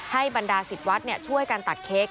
บรรดาศิษย์วัดช่วยกันตัดเค้ก